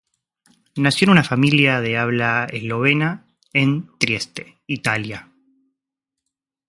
Nació en una familia de habla eslovena en Trieste, Italia.